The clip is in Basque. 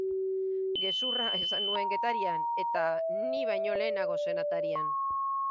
Gezurra esan nuen Getarian eta ni baino lehenago zen atarian.